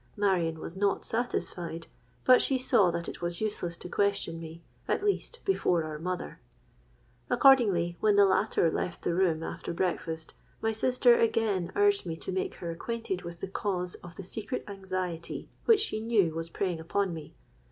Marion was not satisfied; but she saw that it was useless to question me, at least before our mother: accordingly, when the latter left the room after breakfast, my sister again urged me to make her acquainted with the cause of the secret anxiety which she knew was preying upon me.